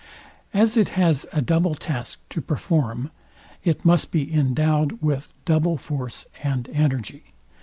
As it has a double task to perform, it must be endowed with double force and energy.